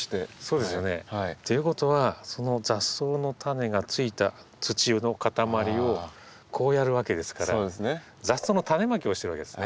そうですよね。ということはその雑草のタネが付いた土の塊をこうやるわけですから雑草のタネまきをしてるわけですね。